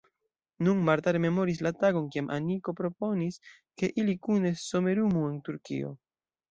Nun Marta rememoris la tagon, kiam Aniko proponis, ke ili kune somerumu en Turkio.